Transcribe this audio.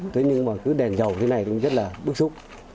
thế nhưng mà cứ đèn dầu thế này cũng rất là bức xúc